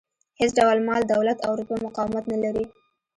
هېڅ ډول مال، دولت او رتبه مقاومت نه لري.